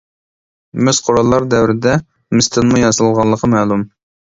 مىس قوراللار دەۋرىدە مىستىنمۇ ياسالغانلىقى مەلۇم.